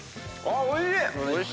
あっおいしい！